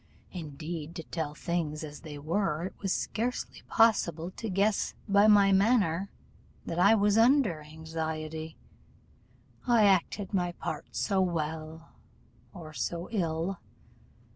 Indeed, to tell things as they were, it was scarcely possible to guess by my manner that I was under any anxiety, I acted my part so well, or so ill.